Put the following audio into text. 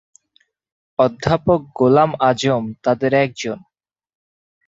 অধ্যাপক গোলাম আযম তাদের একজন।